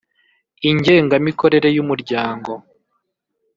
ingenga mikorere y’Umuryango.